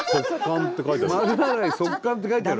「速乾」って書いてある。